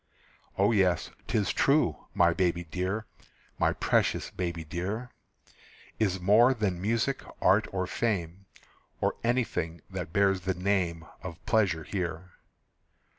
O yes, 'tis true, my baby dear, My precious baby dear, Is more than music, art, or fame, Or anything that bears the name Of pleasure here.